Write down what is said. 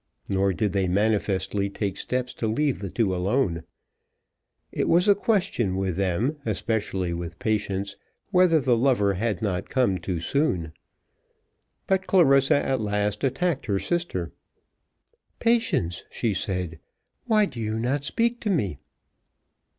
Nor did they manifestly take steps to leave the two alone together. It was a question with them, especially with Patience, whether the lover had not come too soon. But Clarissa at last attacked her sister. "Patience," she said, "why do you not speak to me?"